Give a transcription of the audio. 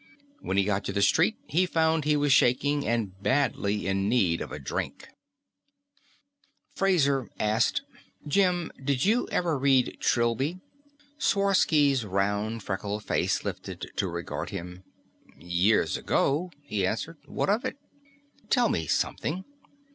When he got to the street, he found he was shaking, and badly in need of a drink. Fraser asked, "Jim, did you ever read Trilby?" Sworsky's round, freckled face lifted to regard him. "Years ago," he answered. "What of it?" "Tell me something.